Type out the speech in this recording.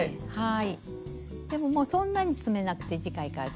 はい。